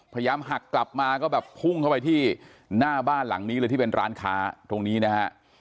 พยายามหักกลับมาก็แบบพุ่งเข้าไปที่หน้าบ้านหลังนี้เลยที่เป็นร้านค้าตรงนี้นะฮะ